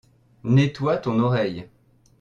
Nettoie ton oreille.